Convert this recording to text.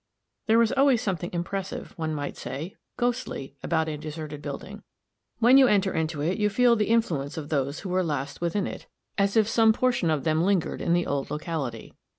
There is always something impressive, one might say, "ghostly," about a deserted building. When you enter into it, you feel the influence of those who were last within it, as if some portion of them lingered in the old locality.